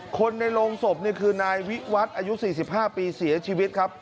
คนในโรงศพนี่คือนายวิวัฒน์อายุ๔๕ปีเสียชีวิตครับ